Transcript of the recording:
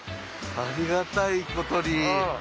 ありがたいことに。